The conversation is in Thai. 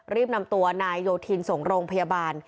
รีบนำตัวนายโยธินส่งโรงพยาบาล